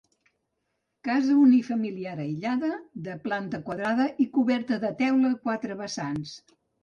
Casa unifamiliar aïllada de planta quadrada i coberta de teula a quatre vessants.